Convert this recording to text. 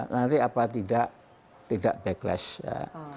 nanti apa tidak tidak backlash ya